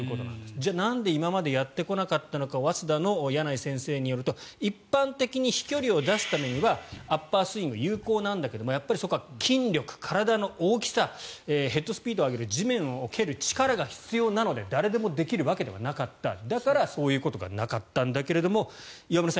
じゃあなんで今までやってこなかったのか早稲田の矢内先生によると一般的に飛距離を出すためにはアッパースイングは有効なんだけどやっぱりそこは筋力、体の大きさヘッドスピードを上げる地面を蹴る力が必要なので誰でもできるわけではなかっただから、そういうことがなかったんだけれども岩村さん